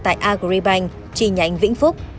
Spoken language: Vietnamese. tại agribank tri nhánh vĩnh phúc